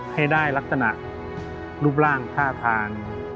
ให้ได้ลักษณะรูปร่างท่าทาง